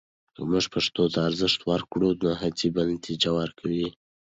که موږ پښتو ته ارزښت ورکړو، نو هڅې به نتیجه ورکوي.